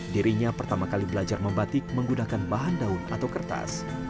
dirinya pertama kali belajar membatik menggunakan bahan daun atau kertas